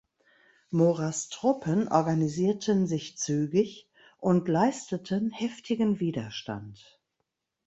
Moras Truppen organisierten sich zügig und leisteten heftigen Widerstand.